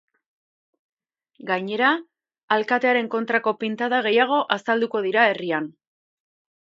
Gainera, alkatearen kontrako pintada gehiago azalduko dira herrian.